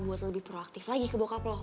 buat lebih proaktif lagi kebawah gue